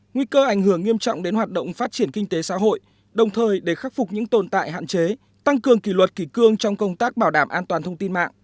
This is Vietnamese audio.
nguy cơ ảnh hưởng nghiêm trọng đến hoạt động phát triển kinh tế xã hội đồng thời để khắc phục những tồn tại hạn chế tăng cường kỷ luật kỷ cương trong công tác bảo đảm an toàn thông tin mạng